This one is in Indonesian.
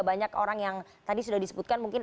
banyak orang yang tadi sudah disebutkan mungkin